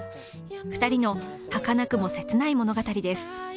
２人のはかなくも切ない物語です。